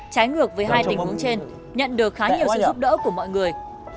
trái ngược với hai tình huống trên nhận được khá nhiều sự giúp đỡ của mọi người